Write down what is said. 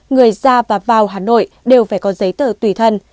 người ra và vào hà nội đều phải có giấy tờ tùy thân